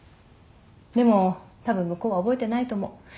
でもたぶん向こうは覚えてないと思う。